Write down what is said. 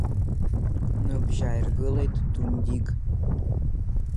Ныбжьаиргылеит Дундик.